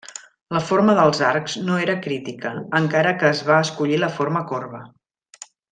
La forma dels arcs no era crítica, encara que es va escollir la forma corba.